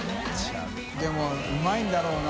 任うまいんだろうな。